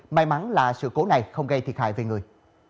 may mắn là sự cố này không gây thiệt hại về người